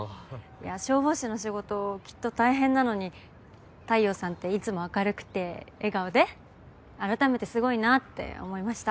消防士の仕事きっと大変なのに太陽さんっていつも明るくて笑顔であらためてすごいなって思いました。